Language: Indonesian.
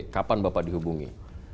kapan bapak dihubungi